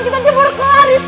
kita jebur kelar rifqi